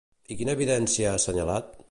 I quina evidència ha assenyalat?